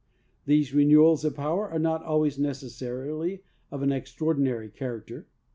These renewals of power are not always necessarily of an extraordinary character.